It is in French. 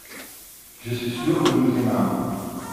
je suis sûr que nous aimâmes.